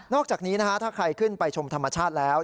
อกจากนี้ถ้าใครขึ้นไปชมธรรมชาติแล้ว